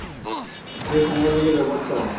ওই সাংবাদিকের ব্যাপারটা?